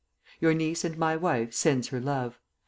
"Your niece and my wife sends her love.